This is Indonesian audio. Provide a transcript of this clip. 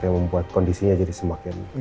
yang membuat kondisinya jadi semakin